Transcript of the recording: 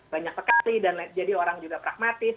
banyak sekali dan jadi orang juga pragmatis